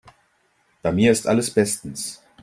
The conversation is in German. Bei mir ist alles bestens.